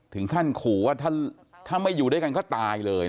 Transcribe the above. ถึงขั้นขู่ว่าถ้าไม่อยู่ด้วยกันก็ตายเลย